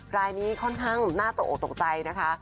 รายนี้ค่อนข้างน่าตกออกตกใจนะคะ